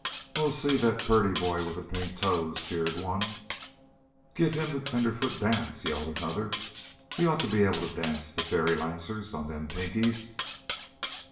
"Oh, see that purty boy with the pink toes!" jeered one. "Give him the tenderfoot dance," yelled another. "He ought to be able to dance the fairy lancers on them pinkies."